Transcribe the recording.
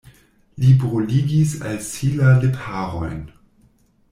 Li bruligis al si la lipharojn.